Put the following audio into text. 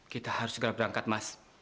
kita harus segera berangkat mas